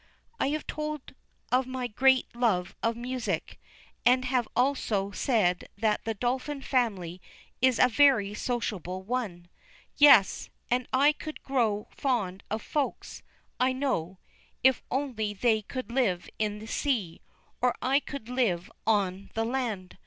I have told of my great love of music, and have also said that the Dolphin family is a very sociable one. Yes, and I could grow fond of Folks, I know, if only they could live in the sea, or I could live on the land.